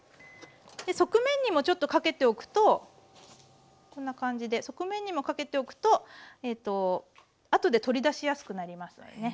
側面にもちょっとかけておくとこんな感じで側面にもかけておくとあとで取り出しやすくなりますのでね